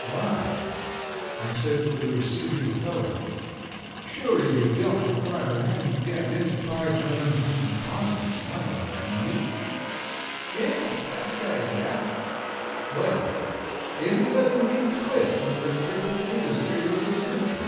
"Why," I said to the receiving teller, "surely you don't require a man to be identified when he deposits money, do you?" "Yes, that's the idea." "Well, isn't that a new twist on the crippled industries of this country?"